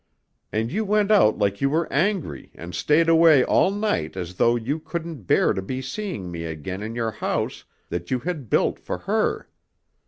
And you went out like you were angry and stayed away all night as though you couldn't bear to be seeing me again in your house that you had built for her.